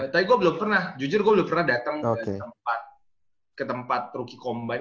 tapi gue belum pernah jujur gue udah pernah datang ke tempat rookie combine